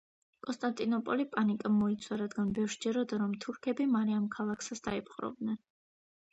კონსტანტინოპოლი პანიკამ მოიცვა, რადგან ბევრს სჯეროდა, რომ თურქები მალე ამ ქალაქსაც დაიპყრობდნენ.